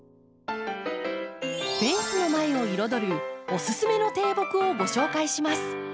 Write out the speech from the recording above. フェンスの前を彩るおすすめの低木をご紹介します。